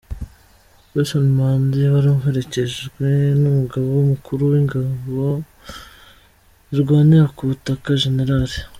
Wilson Mbadi, wari uherekejwe n’umugaba mukuru w’ingabo zirwanira ku butaka, Gen.